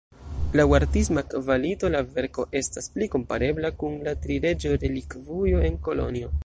Laŭ artisma kvalito la verko estas pli komparebla kun la Tri-Reĝo-Relikvujo en Kolonjo.